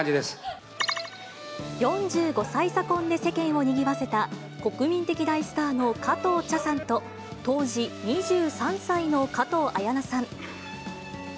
４５歳差婚で世間をにぎわせた、国民的大スターの加藤茶さんと、当時２３歳の加藤綾菜さん。